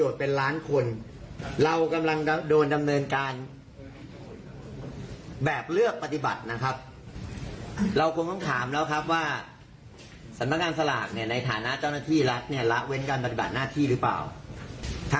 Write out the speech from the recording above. สนักงานสลากในฐานะเจ้าหน้าที่รักละเว้นการปฏิบัติหน้าที่หรือเปล่า